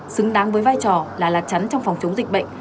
xứng đáng với vai trò là lá chắn trong phòng chống dịch bệnh